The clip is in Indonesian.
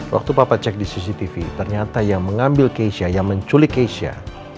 waktu papa cek di cctv ternyata yang mengambil keisha yang menculik keisha